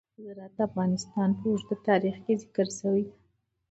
زراعت د افغانستان په اوږده تاریخ کې ذکر شوی دی.